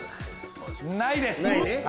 ないです。